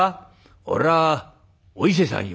俺はお伊勢さんよ」。